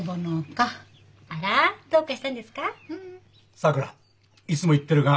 さくらいつも言ってるが。